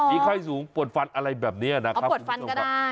มีไข้สูงปวดฟันอะไรแบบนี้นะครับคุณผู้ชมครับ